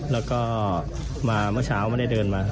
แล้วก็มาเมื่อเช้าไม่ได้เดินมา